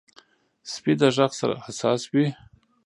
سپي د غږ سره حساس وي.